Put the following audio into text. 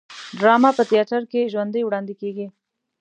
ډرامه په تیاتر کې ژوندی وړاندې کیږي